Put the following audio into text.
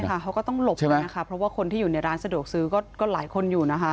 ค่ะเขาก็ต้องหลบกันนะคะเพราะว่าคนที่อยู่ในร้านสะดวกซื้อก็หลายคนอยู่นะคะ